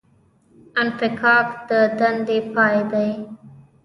انفکاک د دندې پای دی